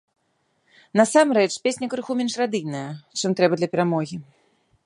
Насамрэч, песня крыху менш радыйная, чым трэба для перамогі.